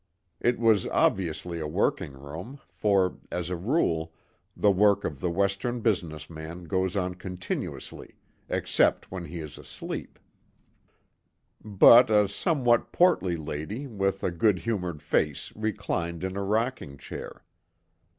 It was obviously a working room, for, as a rule, the work of the Western business man goes on continuously except when he is asleep; but a somewhat portly lady with a good humoured face reclined in a rocking chair.